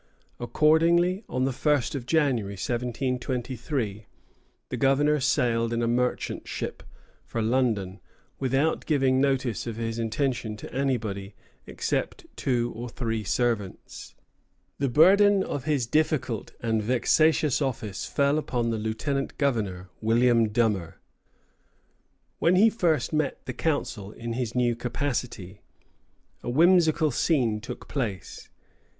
Accordingly, on the first of January, 1723, the governor sailed in a merchant ship, for London, without giving notice of his intention to anybody except two or three servants. The burden of his difficult and vexatious office fell upon the lieutenant governor, William Dummer. When he first met the Council in his new capacity, a whimsical scene took place.